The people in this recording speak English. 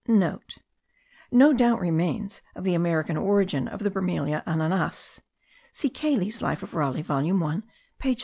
(* No doubt remains of the American origin of the Bromelia ananas. See Cayley's Life of Raleigh volume 1 page 61.